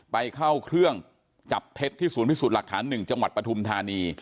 ไปเข้าเครื่องจับเท็จที่ศูนย์พิสูจน์หลักฐาน๑จังหวัดปฐุมธานี